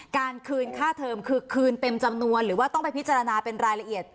การคืนค่าเทอมคือคืนเต็มจำนวนหรือว่าต้องไปพิจารณาเป็นรายละเอียด